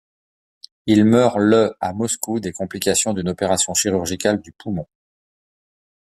Il meurt le à Moscou, des complications d'une opération chirurgicale du poumon.